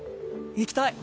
行きたい。